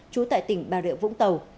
trú tại tỉnh bà rịa vũng tàu